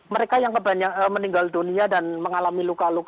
mereka yang meninggal dunia dan mengalami luka luka